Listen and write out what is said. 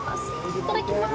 いただきまーす。